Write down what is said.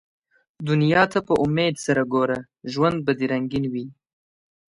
دنیا ته په امېد سره ګوره ، ژوند به دي رنګین وي